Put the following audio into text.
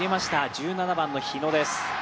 １７番の日野です。